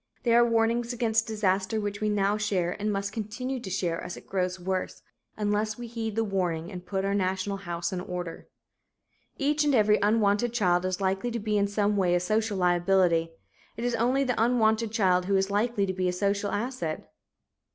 They are warnings against disaster which we now share and must continue to share as it grows worse, unless we heed the warning and put our national house in order. Each and every unwanted child is likely to be in some way a social liability. It is only the wanted child who is likely to be a social asset.